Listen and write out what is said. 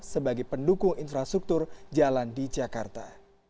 sebagai pendukung infrastruktur jalan di jakarta